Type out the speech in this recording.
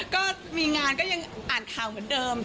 ก็มีงานก็ยังอ่านข่าวเหมือนเดิม